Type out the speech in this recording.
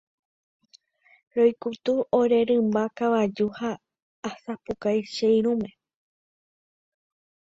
Roikutu ore rymba kavaju ha asapukái che irũme.